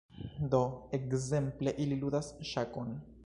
Do, ekzemple ili ludas ŝakon